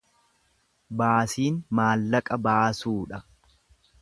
Baasiin maallaqa baasuu dha.